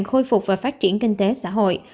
khôi phục và phát triển kinh tế xã hội